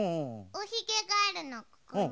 おひげがあるのここに。